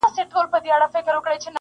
• خو هغه دونه پیسې نه وې -